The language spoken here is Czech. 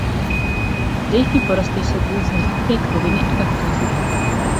Zdejší porosty jsou pouze řídké křoviny a kaktusy.